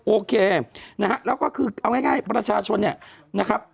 โอเคนะฮะแล้วก็คือเอาง่ายประชาชนเนี่ยนะครับ